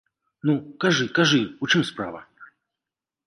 Ну, кажы, кажы, у чым справа?